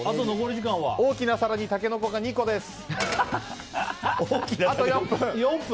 大きな更にタケノコが２個です。